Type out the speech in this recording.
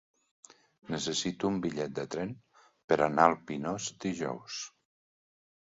Necessito un bitllet de tren per anar al Pinós dijous.